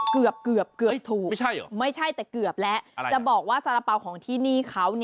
เกือบเกือบถูกไม่ใช่แต่เกือบแล้วจะบอกว่าสาระเป๋าของที่นี่เขา